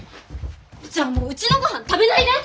じゃあもううちのごはん食べないで！